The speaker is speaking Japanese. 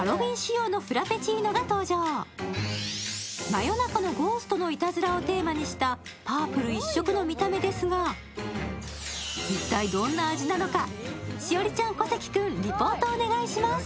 「真夜中のゴーストのいたずら」をテーマにしたパープル一色の見た目ですが、一体どんな味なのか、栞里ちゃん、小関君、リポートお願いします。